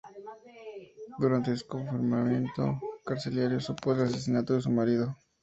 Durante su confinamiento carcelario supo del asesinato de su marido.